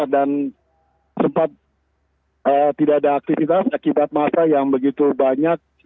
dan sempat tidak ada aktivitas akibat masa yang begitu banyak